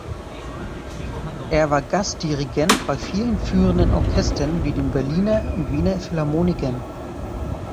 Er war Gastdirigent bei vielen führenden Orchestern, wie den Berliner und Wiener Philharmonikern.